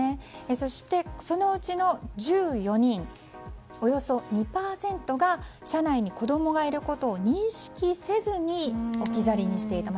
そして、そのうちの１４人およそ２％が車内に子供がいることを認識せずに置き去りにしていた。